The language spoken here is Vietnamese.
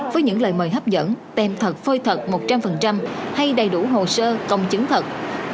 với những lời mời hấp dẫn tem thật phơi thật một trăm linh hay đầy đủ hồ sơ công chứng thật